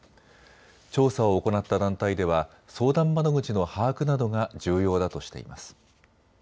調査を行った団体では相談窓口の把握などが重要だとしています。